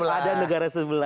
ada negara sebelah